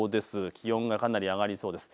気温がかなり上がりそうです。